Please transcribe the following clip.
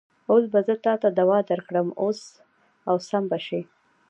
اوس به زه تاته دوا درکړم او سم به شې.